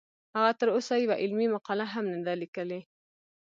هغه تر اوسه یوه علمي مقاله هم نه ده لیکلې